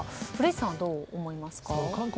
古市さんはどう思いますか。